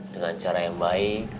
dengan cara yang baik